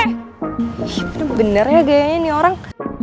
itu bener ya gayanya nih orang